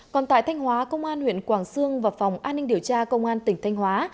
còn tại thanh hóa công an huyện quảng sương và phòng an ninh điều tra công an tỉnh thanh hóa